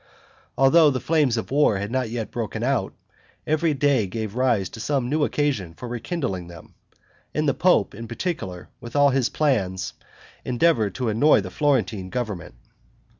Although the flames of war had not yet broken out, every day gave rise to some new occasion for rekindling them; and the pope, in particular, in all his plans endeavored to annoy the Florentine government.